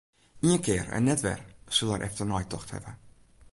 Ien kear en net wer sil er efternei tocht hawwe.